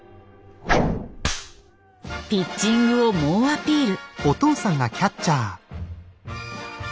ピッチングを猛アピール。